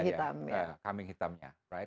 china dijadikan kambing hitamnya